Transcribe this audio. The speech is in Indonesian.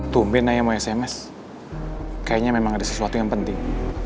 tumbin aja mau sms kayaknya memang ada sesuatu yang penting